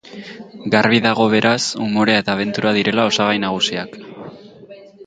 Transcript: Garbi dago, beraz, umorea eta abentura direla osagai nagusiak.